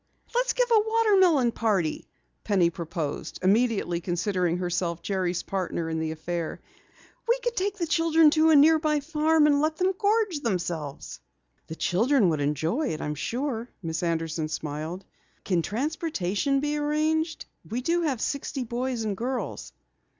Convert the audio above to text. "Let's give a watermelon party!" Penny proposed, immediately considering herself Jerry's partner in the affair. "We could take the children to a nearby farm and let them gorge themselves!" "The children would enjoy it, I'm sure," Miss Anderson smiled. "Can transportation be arranged? We have sixty boys and girls."